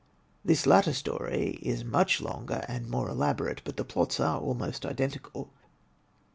This latter story is much longer and more elaborate, but the plots are almost identical.